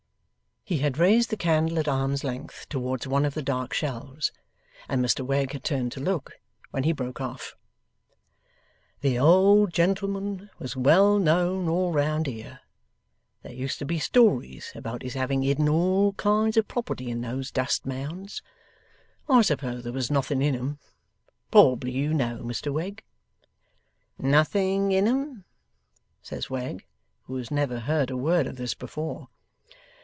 He had raised the candle at arm's length towards one of the dark shelves, and Mr Wegg had turned to look, when he broke off. 'The old gentleman was well known all round here. There used to be stories about his having hidden all kinds of property in those dust mounds. I suppose there was nothing in 'em. Probably you know, Mr Wegg?' 'Nothing in 'em,' says Wegg, who has never heard a word of this before.